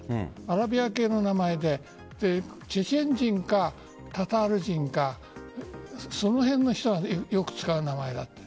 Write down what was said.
アラビア系の名前でチェチェン人かタタール人かその辺の人がよく使う名前だと。